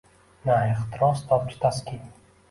Na ehtiros topdi taskin